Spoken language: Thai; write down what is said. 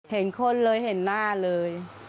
เห็นคนเลยเห็นหน้าเลย